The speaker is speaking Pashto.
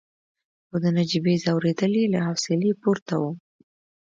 خو د نجيبې ځورېدل يې له حوصلې پورته وو.